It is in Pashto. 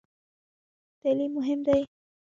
تعلیم مهم دی؟